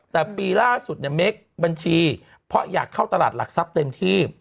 แต่ปีล่าสุดเนี่ยเมคบัญชีเพราะอยากเข้าตลาดหลักทรัพย์เต็มที่